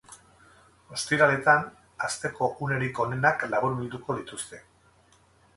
Ostiraletan asteko unerik onenak laburbilduko dituzte.